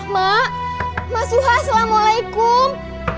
mak mas suha assalamualaikum